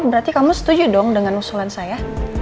berarti kamu setuju dong dengan usulan saya